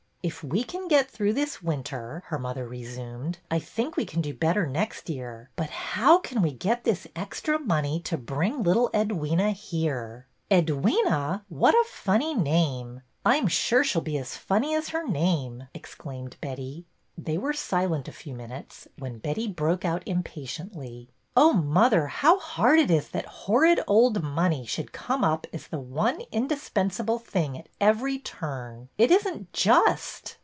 If we can get through this winter," her mother resumed, I think we can do better next year. But how can we get this extra money to bring little Edwyna here?" ''Edwyna! What a funny name! I'm sure she 'll be as funny as her name," exclaimed Betty. " UNCLE '' GOLDSTEIN 1 7 1 They were silent a few minutes, when Betty broke out impatiently: Oh, mother, how hard it is that horrid old money should come up as the one indispensable thing at every turn ! It is n't just."